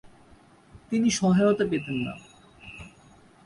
তিনি সহায়তা পেতেন না।